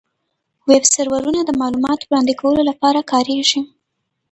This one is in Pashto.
ویب سرورونه د معلوماتو وړاندې کولو لپاره کارېږي.